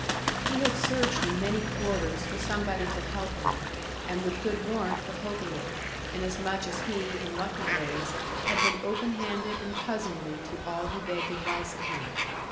He had searched in many quarters for somebody to help him, and with good warrant for hoping it, inasmuch as he, in lucky days, had been open handed and cousinly to all who begged advice of him.